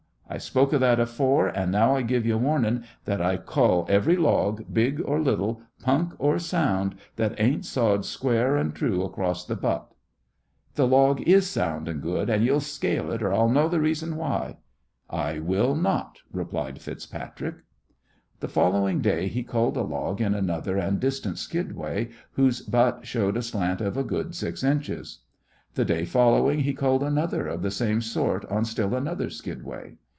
I spoke of that afore; an' now I give ye warnin' that I cull every log, big or little, punk or sound, that ain't sawed square and true across th' butt." "Th' log is sound and good, an' ye'll scale it, or I'll know th' reason why!" "I will not," replied FitzPatrick. The following day he culled a log in another and distant skidway whose butt showed a slant of a good six inches. The day following he culled another of the same sort on still another skidway.